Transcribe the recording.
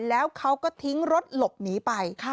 แล้วเขาก็ทิ้งรถหลบหนีไป